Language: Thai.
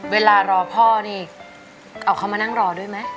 เวลารอพ่อนี่เอาเขามานั่งรอด้วยไหม